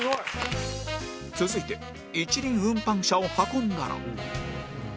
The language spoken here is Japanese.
続いて一輪運搬車を運んだら